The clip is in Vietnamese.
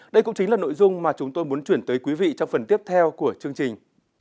đây cũng chính là nội dung mà chúng tôi muốn chuyển tới quý vị trong phần tiếp theo của chương trình